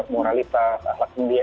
moralitas ahlak milia